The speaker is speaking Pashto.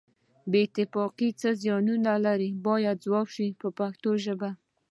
بې اتفاقي څه زیانونه لري باید ځواب شي په پښتو ژبه.